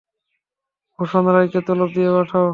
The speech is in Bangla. ভূষণ রায়কে তলব দিয়ে পাঠাও।